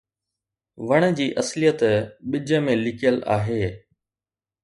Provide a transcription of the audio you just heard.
وڻ جي اصليت ٻج ۾ لڪيل آهي.